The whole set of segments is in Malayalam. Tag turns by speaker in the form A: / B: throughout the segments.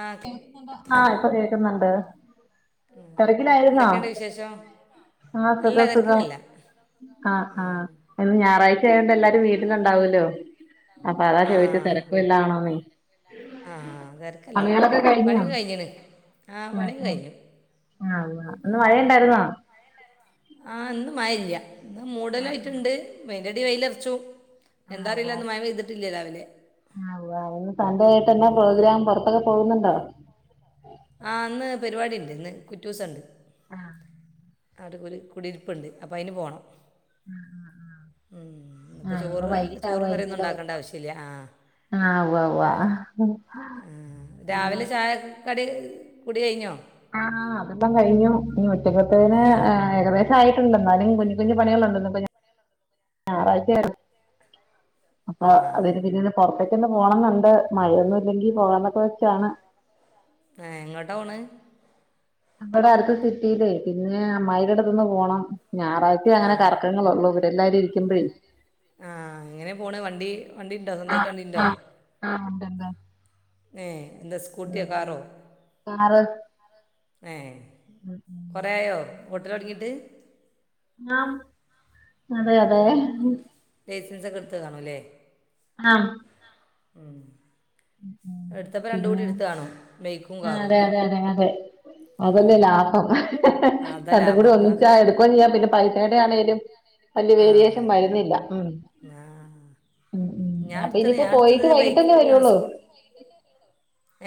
A: ആഹ്
B: കേക്കുന്നുണ്ടോ ആഹ് ഇപ്പൊ കേക്കുന്നുണ്ട്
A: ഉം എന്തൊക്കെയിണ്ട് വിശേഷം
B: ആഹ്
A: അല്ല
B: സുഖം സുഖം
A: തിരക്കിലല്ല
B: ആഹ് ആഹ് ഇന്ന് ഞായറാഴ്ച്ചായോണ്ട് എല്ലാരും വീ ട്ടിലിണ്ടാവല്ലോ അപ്പ അതാ ചോദിച്ചേ തിരക്ക് വെല്ലോം ആണോന്നെ
A: ആഹ് തിരക്കല്ല
B: കഴിഞ്ഞോ
A: പണി കഴിഞ്ഞിണ് ആഹ് പണി കഴിഞ്ഞു
B: ആഹ് ഇന്ന് മഴെണ്ടായിരുന്നോ
A: ആഹ് ഇന്ന് മഴയില്ല ഇന്ന് മൂഡലായിട്ടിണ്ട് വെയ്ന്റെടെ വെയിലൊറച്ചു
B: ആഹ് ഉവ്വ
A: എന്താറിയില്ലാന്ന് മയ ചെയ്തിട്ടില്ലാ രാവിലെ
B: ആഹ് ഉവ്വാ ഇന്ന് സൺ‌ഡേ ആയിട്ട് എന്നാ
A: ഉം.
B: പ്രോഗ്രാം പൊറത്തൊക്കെ പോവുന്നുണ്ടോ
A: ആഹ് ഇന്ന് പരിപാടീണ്ട് ഇന്ന് കുറ്റൂസെണ്ട്
B: ആഹ്
A: [unintelligible] കുടീരിപ്പെണ്ട് അപ്പ അതിന് പോണം
B: ആഹ്
A: ഉം അപ്പൊ
B: ഇനിയിപ്പോ
A: ചോറ് ചോറ് കറിയൊന്നും
B: വൈകിട്ടാവുമായിരിക്കുവല്ലോ
A: ഇണ്ടാക്കേണ്ട
B: വരുമ്പോ
A: ആവശ്യല്ല ആഹ്
B: ആഹ് ഉവ്വാ ഉവ്വാ
A: ആഹ് രാവിലെ ചായ ക്കടി കുടി കയിഞ്ഞോ
B: ആഹ് അതെല്ലാം കഴിഞ്ഞു ഇനി ഉച്ചക്കത്തേന്
A: ഏ
B: ഏഹ് ഏകദേ ശായിട്ടുണ്ട് എന്നാലും കുഞ്ഞു കുഞ്ഞു പണികളുണ്ട് ഇന്നിപ്പ ഞായറാഴ്ച്ച അപ്പ
A: ആ
B: അതിന് പിന്നീട് പൊറത്തേക്കൊന്ന് പോണംന്നെണ്ട് മഴയൊന്നും ഇല്ലെങ്കി പോകാന്നൊക്കെ വെച്ചാണ്
A: ആഹ് എങ്ങോട്ടാ പോണ്
B: ഇവടടുത്ത് സിറ്റീല്ലേ പിന്നേ അമ്മായീടടുത്തൊന്ന് പോണം ഞായറാഴ് ച്ചേ
A: ആ
B: അങ്ങനെ കറക്കങ്ങളൊള്ളൂ ഇവടെല്ലാരും ഇരിക്കുമ്പഴേ
A: ആഹ് എങ്ങനെ പോണ് വണ്ടി വണ്ടിണ്ടൊ സ്വന്തായിട്ട്
B: ആഹ്
A: വണ്ടിണ്ടൊ
B: ആഹ് ആഹ് ഉണ്ടൊണ്ട്
A: ഏഹ് എന്താ സ്കൂട്ടിയോ കാറോ
B: കാറ്
A: കാറ് ഏഹ് കൊറേയായോ ഓട്ടല് തൊടങ്ങീട്ട്
B: ങാഹ് അതെ അതെ
A: ലൈസൻസക്കെ എടുത്തത് കാണൂല്ലേ
B: ആഹ്
A: ഉം എടുത്തപ്പം രണ്ടൂടി
B: പിന്നെ
A: എട്ത്ത് കാണും ബെയ്ക്കും കാറും
B: അതെ
A: കൂടി
B: അതെ അതെ അതെ
A: ആ
B: അതല്ലെ ലാഭം
A: ആ, അതാ
B: രണ്ടും കൂടി
A: ലാഭം ആ
B: ഒന്നിച്ചാ എടുക്ക്വാം ചെയ്യാ പിന്നെ പൈസേടെ ആണേലും വല്ല്യ
A: ആ
B: വേരിയേഷൻ വര്ന്നില്ലാ ഉം
A: ആ
B: ഉം ഉം
A: ഞാൻ
B: അപ്പൊ
A: എടുത്തത്
B: ഇനിയിപ്പൊ
A: ഞാൻ എടുത്തത്
B: പോയിട്ട്
A: ബൈക്ക്
B: വൈകിട്ടല്ലെ വരൊള്ളു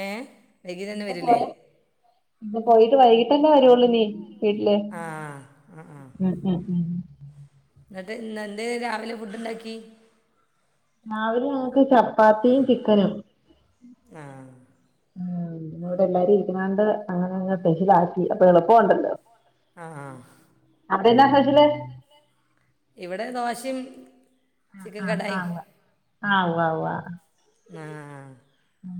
A: എഹ് [unintelligible] വരൂല്ലേ
B: ഇന്നി പോയിട്ട് വൈകിട്ടന്നെ വരോള്ളിനി വീട്ടില്
A: ആ
B: ഉം ഉം
A: എന്നട്ട് ഇന്ന് എന്തേ രാവിലെ ഫുഡ് ഇണ്ടാക്കി
B: രാവിലെ ഞങ്ങക്ക് ചപ്പാത്തിയും ചിക്കനും
A: ആഹ്
B: ആഹ് ഇന്നവിടെ എല്ലാരും ഇരിക്കണോണ്ട് അങ്ങനങ്ങ് സ്പെഷ്യലാക്കി അപ്പൊ എളുപ്പോണ്ടല്ലോ
A: ആഹ് ആഹ്
B: അപ്പേ എന്നാ സ്പെഷ്യല്
A: ഇവടെ ദോശയും
B: ആഹ്
A: ചിക്കൻ
B: ആഹ്
A: കടായും
B: ആവ്യാ ആവ്യാ ആവ്യാ
A: ആഹ്
B: ഉം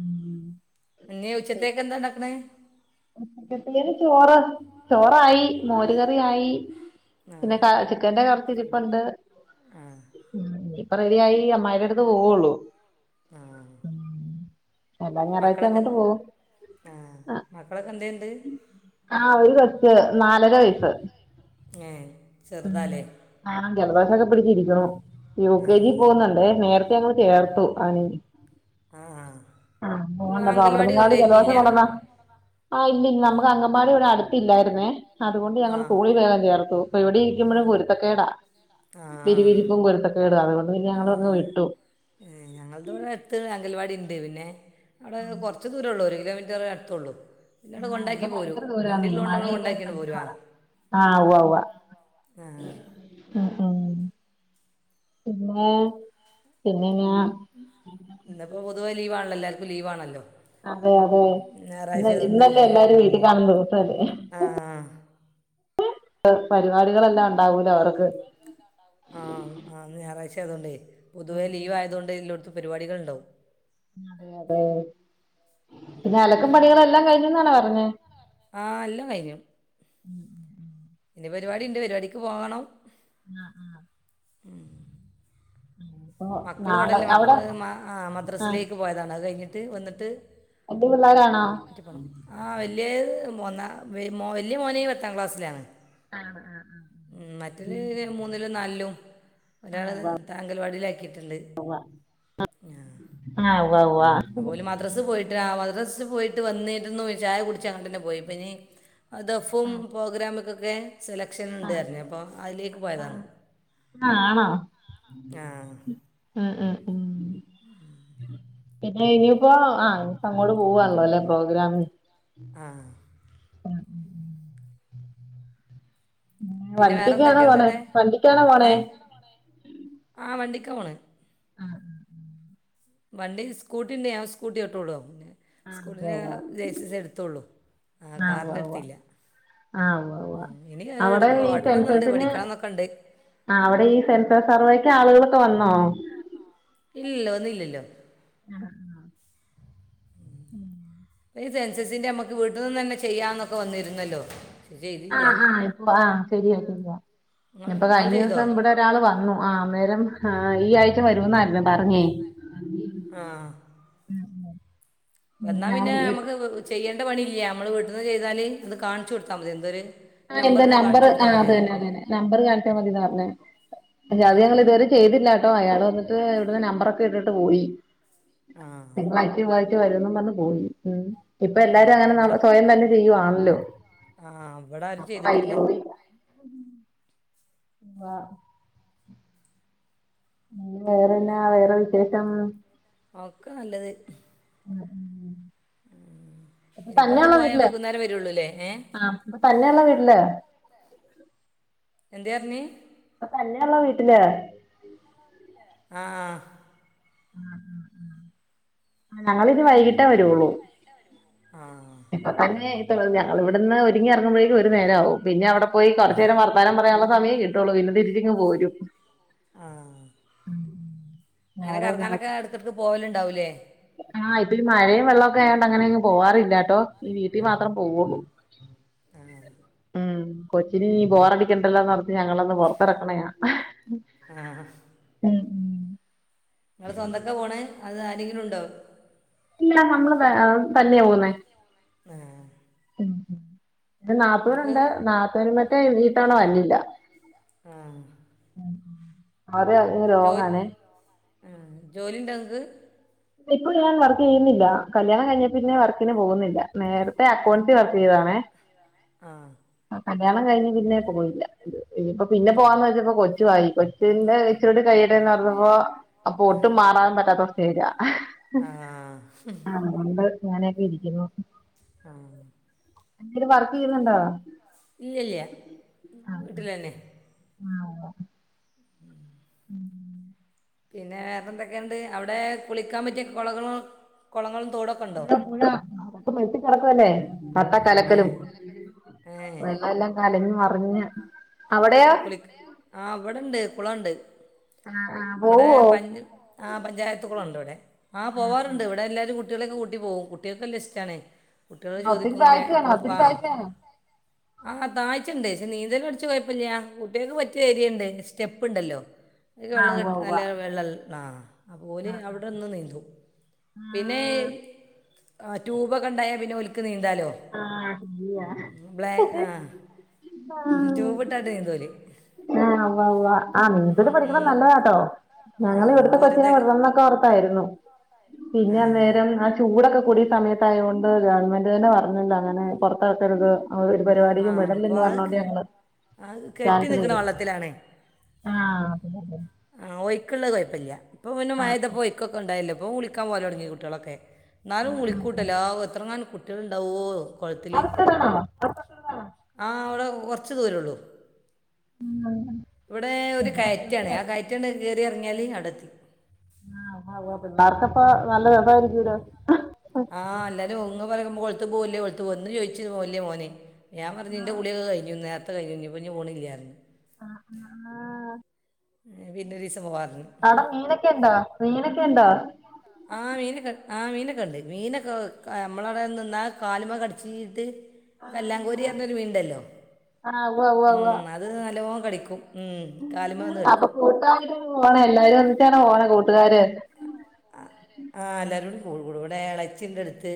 A: ഇന്നേ ഉച്ചത്തേക്ക് എന്താ ഒണ്ടാക്കന്നേ
B: ഉച്ചത്തേക്ക് ചോറ് ചോറായി മോര് കറിയായി
A: ആ
B: പിന്നെ ക ചിക്കന്റെ കറി ഇരിപ്പുണ്ട്
A: ആ
B: ഉം ഇപ്പെ റെഡി ആയി അമ്മായിടെ എടുത്ത് പോവുള്ളൂ
A: ആഹ്
B: ഉം എല്ലാ ഞായറാഴ്ച
A: മക്കളൊക്കെ
B: അങ്ങോട്ട് പോകും
A: ആഹ് മക്കളൊക്കെ എന്തേ
B: ആഹ് ഒര് കൊച്ച് നാലര വയസ്സ്
A: ഹേ ചെറുതാ
B: ഉം
A: അല്ലെ
B: ആഹ് ജലദോഷോക്കേ പിടിച്ച് ഇരിക്ക്യാണു യു
A: ആ
B: കെ ജി പോകുന്നോണ്ട് നേരത്തെ ഞങ്ങള് ചേർത്തു
A: ആഹ്
B: ആഹ് [unintelligible] അപ്പൊ അവടെ ന്നങാണ്ടോ ജലദോഷം കൊണ്ടാന്നാ ആഹ് ഇല്ല ഇല്ല നമ്മക്ക് അങ്കംമ്പാടി ഇവടെ അടുത്ത് ഇല്ലാരുന്നേ അത് കൊണ്ട്
A: ആ
B: ഞങ്ങള് സ്കൂളി വേഗം ചേർത്തു അപ്പൊ ഇവടെ ഇരിക്കുമ്പോഴും കുരുത്തേക്കേടാ
A: ആ
B: വിരിവിരിപ്പും കുരുത്തക്കേട് അത് കൊണ്ട് പിന്നെ ഞളങ്ങ് വിട്ടു
A: ഞങ്ങൾ ത് ഇവടെ അടുത്ത് അങ്കൽവാടി ഇണ്ട് പിന്നെ അവടെകൊറച്ച് ദൂരേ ഒള്ളൂ ഒര് കിലോമീ മേ അടുത്ത് ഉള്ളൂ പിന്നാ അവടെ
B: ആഹ് ഇവിടെ
A: കൊണ്ടാക്കി പോരും
B: ഭയങ്കര ദൂരാന്നേ
A: വണ്ടില്ലോണ്ട് കൊണ്ട് നമ്മള്
B: മഴയൊക്കെ
A: കൊണ്ടാക്കീ
B: ആണെ
A: ഇണ്ട് ഇങ്ങട്
B: ഭയങ്കര
A: പോരു ആഹ്
B: പാടാ ആഹ് ഉവ്വാ ഉവ്വാ
A: ആഹ്
B: ഉം ഉം പിന്നെ പിന്നെ എങ്ങ്യാ
A: ഇന്ന് ഇപ്പോ പൊതുവേ ലീവ് ആണ് എല്ലാർക്കും ലീവാണാ അല്ലോ
B: അതെ അതെ ഇന്ന് ഇന്നല്ലേ എല്ലാരും വീട്ടി കാണുന്നാ ദിവസം അല്ലേ
A: ആ
B: പരിപാടികളെല്ലാം ഒണ്ടാവൂല്ലോ അവർക്ക്
A: ആഹ ആഹ് ഇന്ന് ഞായറാഴ്ച അയത് കൊണ്ടേ
B: ഉം
A: പൊതുവേ
B: ഉം
A: ലീവ് ആയത് കൊണ്ട് എല്ലോട്ത്തും പരിപാടികൾ ഇണ്ടാവും
B: അതെ അതെ പിന്നെ അലക്കും പണികളും എല്ലാം കയിഞ്ഞന്നാണോ പറഞ്ഞേ
A: ആഹ് എല്ലാം കയിഞ്ഞു
B: ഉം ഉം ഉം
A: ഇനി പരിപാടി ഇണ്ട് പരിപാടിക്ക് പോണം
B: ആഹ് ആഹ്
A: ഉം
B: ആഹ്
A: മക്കള് ഇവട ഇല്ല മക്കള് ആഹ്
B: ആഹ്
A: മദ്രാസലേക്ക് പോയതാണ് അത് കയിഞ്ഞിട്ട് വന്നിട്ട്
B: വല്യ പിള്ളോരാണോ
A: [unintelligible] ആഹ് വല്ല്യയാ ഒന്ന് വല്ല്യയാ മോന് പത്താം ക്ലാസ്സിലാണ്
B: ആ ആ ആ
A: ഉം മറ്റല് മൂന്നിലും നാലിലും
B: ആഹ്
A: ഒരാള്
B: ഉവ്വ
A: താങ്കൽവാടിയിലാക്കിയിട്ടുണ്ട്.
B: അ വവ്വാ
A: അപ്പോല് മദ്രസ് പോയിട്ട് ആ മദ്രസ്ൽ പോയിട്ട് വന്നിരുന്ന് ചായ കുടിച്ചങ്ങട്ട്ന്നെ പോയിപ്പനി അ ദഫും
B: ആഹ്
A: പ്രോഗ്രാമക്കൊക്കെ സെലക്ഷൻ ഉണ്ട് പറഞ് അപ്പൊ അയ്ലേക്ക് പോയതാണ്.
B: ആ ആണോ
A: ആ
B: ആ അ ഉം പിന്നെ ഇനിയിപ്പോ ആ പ്പോ അങ്ങോട്ട് പോവണല്ലോ ല്ലെ പ്രോഗ്രാമ്ന്
A: ആഹ് പിന്നെ
B: വണ്ടിക്കൊക്കെയാണോ പോണേ
A: വേറെന്തൊക്കെയുണ്ട്ന്നെ
B: വണ്ടിക്കാണോ പോണേ
A: ഏഹ് ആ വണ്ടിക്ക പോണ്
B: ആഹ്
A: വണ്ടി സ്കൂട്ടിയുണ്ട് ഞാൻ സ്കൂട്ടി ഓട്ടി [unintelligible] ചോള്
B: ആഹ് ഉവ്വ
A: സ്കൂട്ടിന്റെ
B: ഉവ്വ
A: ലൈസെൻസ് എടുത്തോള്ളു ആ
B: ആഹ് ഉവ്വ
A: കാറിന്റെ
B: ഉവ്വ
A: എടുത്തില്ല
B: ആഹ് ഉവ്വ ഉവ്വ
A: ഉം ഇനി
B: അവിടെ ഈ
A: ഓടണന്നുണ്ട്
B: സെൻസസിന്
A: പഠിക്കണംന്നൊക്കെണ്ട്.
B: ആഹ് അവിടെ ഈ സെൻസർ സർവേക്ക് ആളുകളൊക്കെ വന്നോ
A: ഇല്ലയില്ല വന്നില്ലല്ലോ
B: [inaudible] ഉം [inaudible]
A: ഈ സെൻസസിന്റെ നമ്മക്ക് വീട്ടിനിന്ന് തന്നെ ചെയ്യാന്നൊക്കെ വന്നിര്ന്നല്ലോ
B: ആഹ് ആഹ് ഇപ്പ ആ ശരിയായിട്ടില്ല ഇപ്പ
A: നിങ്ങൾ
B: കഴിഞ്ഞ
A: ചെയ്തോ
B: ദെവസം ഇവിടെ- ഒരാള് വന്നു ആ അന്നേരം ഈ ആഴ്ച വരുവന്നായിരുന്നു പറഞ്ഞേ
A: ആഹ്
B: ഉം ഉം
A: എന്നാ പിന്നെ നമക്ക്- ചെയ്യേണ്ട പണി ഇല്ല നമ്മള് വീട്ടിന്ന് ചെയ്താല് അത് കാണിച്ചു കൊടുത്താൽ മതി എന്തൊരു-
B: ആ എന്റെ
A: നമ്പറിന്
B: നമ്പറ്
A: കാണിച്ചു കൊടുത്താൽ
B: ആഹ് അത്
A: മതിയാണ്
B: തന്നെ അത് തന്നെ നമ്പറ് കാണിച്ചാ മതിന്നാ പറഞ്ഞെ അത്
A: ആ
B: ഞങ്ങള് ഇതുവരെ ചെയ്തില്ലാട്ടോ അയാള് വന്നിട്ട് ഇവിടുന്ന് നമ്പറൊക്കെ ഇട്ടിട്ട് പോയി
A: ആ
B: തിങ്കളാഴ്ച്ച ചൊവ്വാഴ്ച വരുംയെന്ന് പറഞ് പോയി ഉം ഇപ്പൊ
A: ആ ആ
B: എല്ലാരും അങ്ങനെ ന സ്വയം തന്നെ ചെയ്യുവാണല്ലോ
A: ആഹ് ഇവടെ ആരും
B: അപ്പൊ
A: ചെയ്തിട്ടില്ല.
B: അയിന് വ [unintelligible] വേറെന്നാ വേറെ വിശേഷം
A: ഒക്കെ നല്ലത്
B: ഉം ഉം ഇപ്പൊ
A: ഇനിയിപ്പ നിങ്ങള്
B: തന്നെയുള്ള
A: പോയാ വൈകുന്നേരം വരുള്ളൂല്ലേ ഏ
B: പ തന്നെള്ള വീടല്ലേ [unintelligible]
A: എന്താ പറഞ്ഞെ
B: ഇപ്പൊ തന്നെയുള്ള വീട്ടിലാ
A: ആഹ്
B: ആഹ് ഞങ്ങള് ഇനി വൈകിട്ടേ വരുള്ളൂ
A: ആഹ്
B: ഇപ്പൊ തന്നെ പോ [unintelligible] ഞാ വിടുന്ന് ഒരുങ്ങി എറങ്ങുമ്പോഴേക്കും ഒരു നേരാവും പിന്നെ അവടെ പോയി കൊച്ച് നേരം വർത്താനം പറയാനുള്ള സമയേ കിട്ടുള്ളൂ പിന്നെ തിരിച്ചിങ്ങ് പോരും
A: ആഹ്
B: ഉം, ഉം.
A: ഇങ്ങനെ
B: അവിടെ
A: കറങ്ങാനൊക്കെ എടക്ക് യെടക്ക് പോവല് ഇണ്ടാവുല്ലേ
B: ആഹ് ഇപ്പൊ ഈ മഴയും വെള്ളക്കെ ആയോണ്ട് അങ്ങനെങ് പോവാറില്ലട്ടോ ഈ വീട്ടിൽ മാത്രം പോവൊള്ളൂ
A: ആ
B: ഉം കൊച്ചിനിനീ ബോറടി- കിണ്ടല്ലോ ഓർത്ത് ഞങ്ങളൊന്ന് പൊറത്തിറങ്ങണെയാ
A: ആ നിങ്ങള് സ്വന്തക്കാ പോണേ അതൊ ആരെങ്കിലും ഉണ്ടോ
B: ഇല്ല നമ്മള് തന്നെയാ പോന്നെ
A: ആഹ്
B: ഉം പിന്നെ
A: നിങ്ങൾക്ക്
B: നാത്തൂന്നുണ്ട് നാത്തൂന് മറ്റേ വീട്ടാണ [unintelligible] വന്നില്ല
A: ആ
B: അതെ അങ്ങ് ലോങ്ങാണേ
A: ആഹ് ജോലി ഇണ്ടോ നിങ്ങക്ക്
B: ഇപ്പ ഞാൻ വർക്ക് ചെയ്യുന്നില്ല കല്യാണം കഴിഞ്ഞേ പിന്നെ വർക്ക്- പിന്നെ പോകുന്നില്ല നേരത്തെ അക്കൗസി വർക്ക് ചെയ്തതാണേ
A: ആഹ്
B: ആഹ് കല്യാണം കഴിഞ്ഞ് പിന്നെ പോയില്ല ഇനിയിപ്പോ പിന്നെ
A: ഉം.
B: പോവാന്ന് വെച്ചപ്പോ കൊച്ചുംയായി കൊച്ചിന്റെ ഇച്ചുരുടെ കഴിയട്ടെ എന്നോർത്തപ്പോ - അപ്പൊ ഒട്ടും മാരാൻ പറ്റാത്ത ഒരു സ്റ്റേജാ
A: ആ
B: ആണ് ഉണ്ട് ഞാനൊക്കെ ഇരിക്കുന്നു
A: ആ
B: എന്നെങ്കിലും വർക്കീയുന്നുണ്ടോ
A: ഇല്ലല്ല്യ ഇല്ലന്നെ [unintelligible] പിന്നെ വേറെ എന്തൊക്കെണ്ട് അവിടെ കുളിക്കാൻ പറ്റിയ കൊളകളും കൊളങ്ങളും തോട
B: പുഴ പുഴ അഹ് മെത്തി കിടക്കല്ലേ കത്ത കലക്കലും
A: ഏഹ്
B: കലഞ്ഞു മറിഞ്ഞ് അവിടെയോ
A: കുളിക്ക് ആഹ് ഇവിടെണ്ട് കുളണ്ട്
B: ആ ആ
A: ഇവിടെ
B: പോവോ
A: പഞ്ച ആ പഞ്ചായത്തുകളണ്ട് ഇവടെ ആഹ് പോവാറുണ്ട് ഇവിടെ എല്ലാവരും കുട്ട്യാളൊക്കെ കൂട്ടി പോവും കുട്ട്യാക്കല്ലഇഷ്ടണേ കുട്ട്യാള്
B: ഒത്തിരി
A: ചോദിക്കുംങ്ങനെ
B: താഴ്ചയാണ്
A: എപ്പളും
B: ഒത്തിരി
A: ആഹ്
B: താഴ്ചയാണ്
A: ആഹ് താഴ്ച്ചെണ്ട് പക്ഷെ നീന്തല് പടിച്ചാ കൊഴപ്പല്ലാ കുട്ട്യാക്ക് പറ്റ്യാ ഏരിയണ്ട് സ്റ്റെപ്പുണ്ടല്ലോ
B: ആ ഉവ്വ ഉവ്വ
A: [unintelligible] ആഹ് അപ്പോ ഓല് അവിടെന്ന് നീന്തും പിന്നെ ആഹ് ട്യുബോക്കെ ഇണ്ടായാ പിന്നെ ഓല്ക്ക് നീന്താലോ
B: ആ ശരിയാ
A: ബ്ലേ ആഹ് ട്യൂബ് ഇട്ടാട്ട് നീന്തോല്
B: ആഹ് ഉവ്വ വ്വ ആഹ് നീന്തല്
A: ഉം,
B: പഠിക്കണേ
A: ഉം.
B: നല്ലതാട്ടോ
A: ആ
B: ഞങ്ങളെ ഇവിടുഞ്ഞെകൊച്ച
A: ദൂരത്തേക്ക്
B: വെള്ളം [unintelligible]
A: ആ
B: പിന്നെ അന്നേരം ചൂടൊക്കെ കൂടി സമയത്തായോണ്ട് ഗവൺമെന്റെന്നെ പറഞ്ഞിട്ടങ്ങനെ പുറത്താക്കരുത് അവള് ഒരു
A: ആ
B: പരിപാടിക്കും
A: അപ്പോൾ
B: വിടല്ലെന്ന്
A: അത്
B: പറഞ്ഞോണ്ട്
A: ക-
B: ഞങ്ങള്
A: ആ, കെട്ടി നിൽക്കുന്ന
B: കാൻസലീതു
A: വെള്ളത്തിലാണ്
B: ആഹ്
A: ആഹ് ഒയ്ക്ക്ള്ളത് കൊഴപ്പ്യല്ല ഇപ്പൊ പിന്നെ മയതപ്പോ ഒയ്ക്കൊക്കെ ഇണ്ടായല്ലോ ഇപ്പൊ കുളിക്കാൻ പോവലൊടങ്ങി കുട്ട്യാളൊക്കെ എന്നാലും കുളിക്കൂട്ടല്ലോ എത്രങ്ങാനും കുട്ട്യാള്ണ്ടാവോ കൊളത്തില്
B: അടുത്തതാണോ അടുത്തതാണോ
A: ആഹ് അവിടെ കൊറച്ച് ദൂരൊള്ളു ഇവിടെ ഒരു
B: ഇവിടെ
A: കയറ്റാണ് ആഹ് കയറ്റണ് ക്കേറി അങ്ങ്യാല് അവടെത്തി
B: ആഹ് പിള്ളാർക്കപ്പ നല്ല രസായിരിക്കോലോ
A: ആഹ് അല്ലാരും ഉങ്ങപറഴ്മ്പോ കൊളത്ത്ക്കോവല്ലേ കൊളത്ത് പോ ഇന്ന് ചോയിച്ച് വെല്ല്യേമോനെയ് ഞാൻപറഞ്ഞ് എന്റെ കുളികൊ കഴിഞ്ഞു നേരത്തെ കഴിഞ്ഞു ഇനിപോനി പോന്നില്ല
B: ആഹ്
A: പിന്നൊരീസം പോവാർന്നു
B: ണ്ടൊ മീനൊക്കെഇണ്ടാ
A: ആഹ് മീനൊക്കെ ആഹ് മീനൊക്കെണ്ട് മീനൊക്കെ നമ്മളവടെനിന്നാ കാലുമ്മ കടിച്ചീട്ട് വെല്ലാകോരിന്നറഞ്ഞൊരു മീന്ണ്ടല്ലോ
B: ആഹ് ഉവ്വ ഉവ്വ ഉവ്വ
A: ഉം അ അത് നല്ലോ കടിക്കും കാല്മെ വാ ന്ന് കടിക്കും
B: [unintelligible] പോണെ എല്ലാരും ഒന്നിച്ചാണോ പോണേ കൂട്ടുകാര്
A: ആഹ് ആല്ലാരുംകൂടികൂടുംകൂടും ഇവിടെ എളേച്ചിണ്ടെട്ത്ത്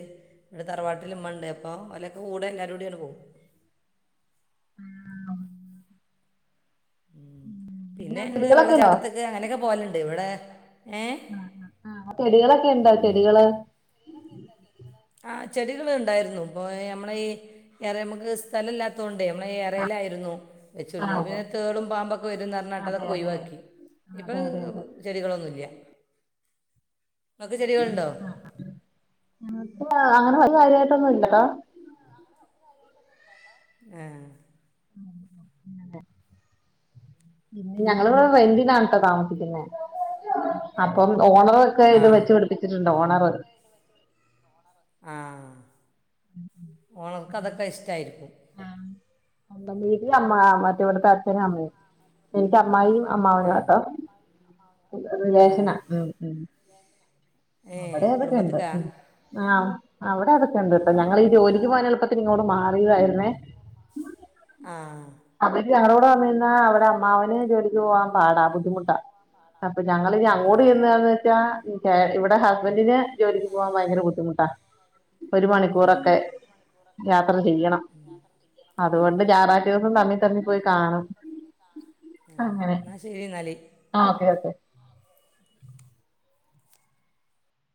A: പിന്നെ തറവാട്ടില് ഇമ്മ ണ്ട് അപ്പോ അലൊക്കെ കൂടെ എല്ലാരുട്യപോവും
B: മ്
A: ഉം പിന്നെ
B: അവിടെ
A: ഞങ്ങള്
B: ചെടികളൊക്കെ ഉണ്ടോ
A: വെള്ളച്ചട്ടത്ത്ക്ക് അങ്ങനെയൊക്കെ പോവല്ണ്ട് ഇവിടെ ഏഹ്
B: ആഹ് ചെടികളൊക്കെ ഇണ്ടോ ചെടികള്
A: ആഹ് ചെടികൾ ഉണ്ടായിരുന്നു ഇപ്പോൾ നമ്മള ഈ വറെ നമുക്ക് സ്ഥലം ഇല്ലാത്തോണ്ടാ നമ്മളെ ഏറെയിലായിരുന്നു
B: ആഹ്
A: വെച്ചിരുന്നത്
B: ഉവ്വ
A: പിന്നെ തേളും പാമ്പൊക്കെ വരുംഞ്ഞാട്ട്
B: അതെ
A: അതൊക്കെ
B: അതെ
A: ഒഴിവാക്കി ഇപ്പൊ
B: അതെ അതെ അതെ
A: ചെടികളൊന്നുല്ല
B: ആക്ക് അങ്ങനെ കാര്യമായിട്ടൊന്നുംല്ലോ
A: [unintelligible]
B: [unintelligible] ഞങ്ങളിവിടെ റെന്തിനാണ്ട്ടോ താമസിക്കുന്നെ അപ്പം ഓണർ ഒക്കെ
A: ആ
B: ഇത് വെച്ച് പിടിപ്പിച്ചിട്ടുണ്ട് ഓണർ
A: ആഹ് ഓണർക് അതൊക്കെ ഇഷ്ടമായിരിക്കും
B: അമ്മ മറ്റേവിടുത്തെ അച്ഛനും അമ്മയും എനിക്ക് അമ്മായിയും
A: ആ
B: അമ്മാവള്ളാട്ടോ
A: ആ
B: റിലേഷനാ
A: ഏ
B: അവിടെ അതൊക്കെ ഉണ്ട്
A: കുടുംബത്തിലേക്കാ
B: ആ അവിടെ അതൊക്കെ ഉണ്ട് ഞങ്ങൾ ഇ ജോലിക്ക് പോവാ എളുപ്പത്തിൽ... ഇങ്ങോട്ട് മാറിയതായിരുന്നേ
A: ആഹ്
B: അവര് ഞങ്ങളുടെ കൂടെ വന്ന് നിന്നാൽ അവിടെ അമ്മാവന് ജോലിക്ക് പോകാൻ പാടാ ബുദ്ധിമുട്ടാ അപ്പൊ ഞങ്ങൾ അങ്ങോട്ട് ചെയുന്നന്ന് വെച്ചാ ഇവിടെ എന്റെ ഹസ്ബന്റിന് ജോലിക്ക് പോവാൻ ഭയങ്കര ബുദ്ധിമുട്ടാ ഒരു മണിക്കൂറൊക്കെ യാത്ര ചെയ്യണം അതുകൊണ്ട് ഞറായിച ദിവസും തമ്മി തമ്മിൽ പോയി കാണും
A: ആ
B: അങ്ങനെ
A: എന്നാൽ ശരി എന്നാൽ
B: ആ അതെ അതെ